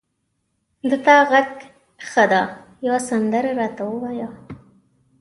د تا غږ ښه ده یوه سندره را ته ووایه